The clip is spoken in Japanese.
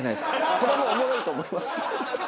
それもおもろいと思います。